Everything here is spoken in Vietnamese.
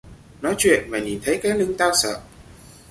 Nói chuyện mà nhìn thấy cái lưng tao sợ